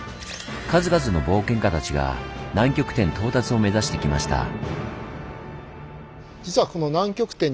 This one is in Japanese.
数々の冒険家たちが南極点到達を目指してきました。